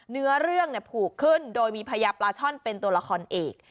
เนื้อเรื่องผูกขึ้นโดยมีพญาปลาช่อนเป็นตัวละครเอก